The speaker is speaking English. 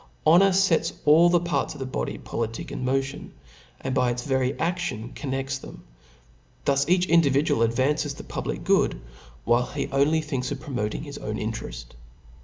Honor fets all the piurts of the body po^ Jitic in modon, and by its very a&bn con nods' thscm ', thus each individual advanges the pulidic good, while he only thiaks of ppomotiog his own iotereit